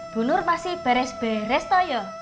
bunur masih beres beres toh yo